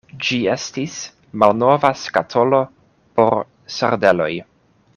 Ĝi estis malnova skatolo por sardeloj.